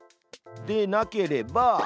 「でなければ」